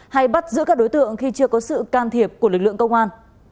hay bắt giữ các đối tượng khi chưa có sự can thiệp của lực lượng công an